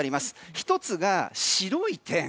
１つが、白い点。